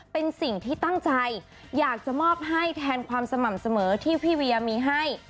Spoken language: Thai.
เป็นสิ่งที่ตั้งใจอยากจะมอบให้แทนความสม่ำเสมอที่พี่เวียมีให้